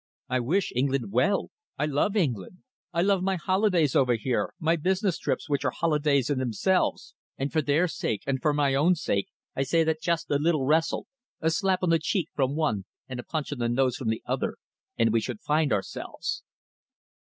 I wish England well. I love England. I love my holidays over here, my business trips which are holidays in themselves, and for their sake and for my own sake, I say that just a little wrestle, a slap on the cheek from one and a punch on the nose from the other, and we should find ourselves."